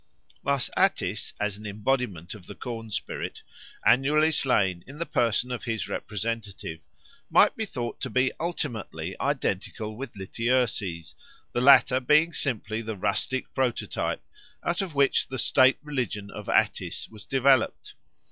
Thus Attis, as an embodiment of the corn spirit, annually slain in the person of his representative, might be thought to be ultimately identical with Lityerses, the latter being simply the rustic prototype out of which the state religion of Attis was developed.